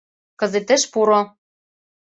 — Кызытеш пуро.